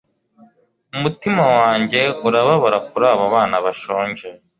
Umutima wanjye urababara kuri abo bana bashonje